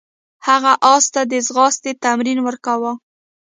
هغه اس ته د ځغاستې تمرین ورکاوه.